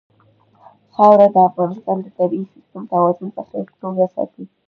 خاوره د افغانستان د طبعي سیسټم توازن په ښه توګه ساتي.